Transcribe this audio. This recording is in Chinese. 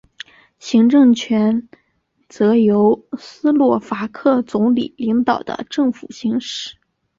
行政权则由斯洛伐克总理领导的政府行使。